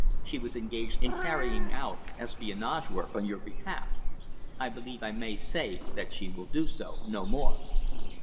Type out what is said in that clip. She was engaged in carrying out espionage work on your behalf. I believe I may say that she will do so no more."